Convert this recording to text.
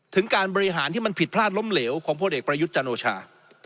การบริหารที่มันผิดพลาดล้มเหลวของพลเอกประยุทธ์จันโอชา